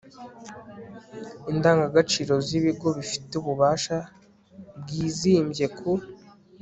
Indangabiciro z ibigo bifite ububasha bwizimbye ku